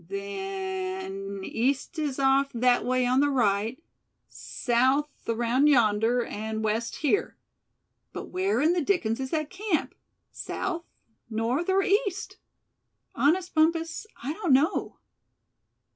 Then east is off that way on the right, south around yonder, and west here. But where in the dickens is that camp, south, north or east? Honest, Bumpus, I don't know!"